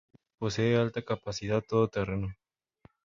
Es tripulado por cuatro hombres y posee alta capacidad todo-terreno.